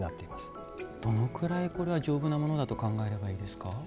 どのくらいこれは丈夫なものだと考えればいいですか？